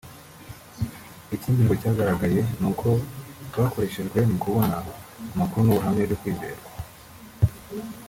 Ikindi ngo cyagaragaye n’uburyo bwakoreshejwe mu kubona amakuru n’ubuhamya byo kwizerwa